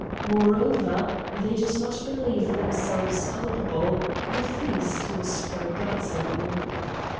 Moreover they did not believe themselves culpable; the feast was forgotten.